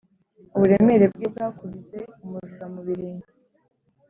uburemere bwe bwakubise umujura mu birenge.